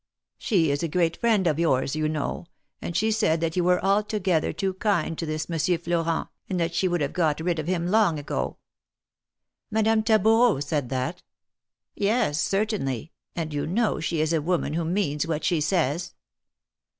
She is a great friend of yours, you know, and she said that you were altogether too kind to this Monsieur Florent, and that she would have got rid of him long ago." Madame Taboureau said that ?" Yes, certainly, and you know she is a woman who means what she says."